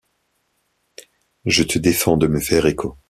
Je te défends de me faire écho.